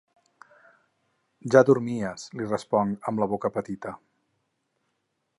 Ja dormies –li responc amb la boca petita–.